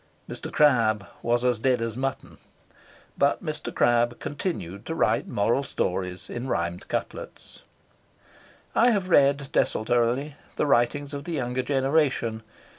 Mr. Crabbe was as dead as mutton, but Mr. Crabbe continued to write moral stories in rhymed couplets. I have read desultorily the writings of the younger generation.